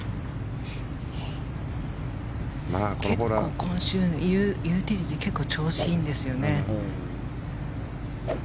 結構、今週ユーティリティーが結構、調子いいんですよね。